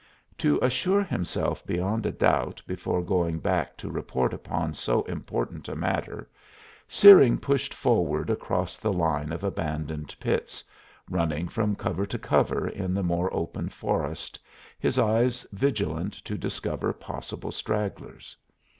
To assure himself beyond a doubt before going back to report upon so important a matter, Searing pushed forward across the line of abandoned pits, running from cover to cover in the more open forest, his eyes vigilant to discover possible stragglers.